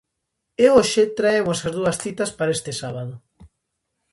E hoxe traemos as dúas citas para este sábado.